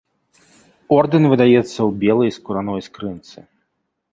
Ордэн выдаецца ў белай скураной скрынцы.